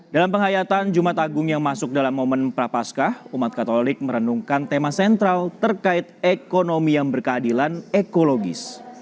dalam penghayatan jumat agung yang masuk dalam momen prapaska umat katolik merenungkan tema sentral terkait ekonomi yang berkeadilan ekologis